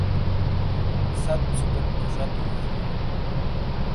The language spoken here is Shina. ست ژھوپیک تو شاتو ہِین۔